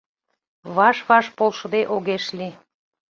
Ваш-ваш полшыде огеш лий.